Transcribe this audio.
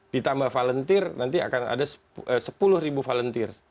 ditambah volunteer nanti akan ada sepuluh volunteer